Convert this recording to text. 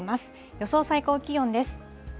予想最高気温です。